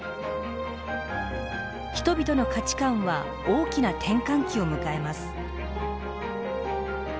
人々の価値観は大きな転換期を迎えます。